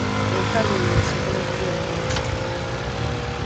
Empale eyo esobola okubeeramu ekituli.